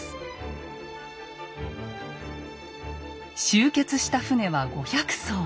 集結した船は５００艘。